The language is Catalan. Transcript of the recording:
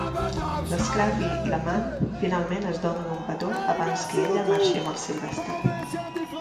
L'Scrappie i la Mann finalment es donen un petó abans que ella marxi amb el Sylvester.